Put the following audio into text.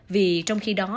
vì trong khi đó